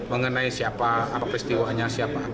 mengenai siapa apa peristiwanya siapa